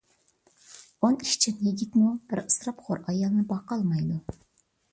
ئون ئىشچان يىگىتمۇ بىر ئىسراپخور ئايالنى باقالمايدۇ.